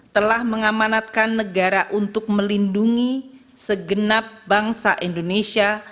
telah mengamanatkan negara untuk melindungi segenap bangsa indonesia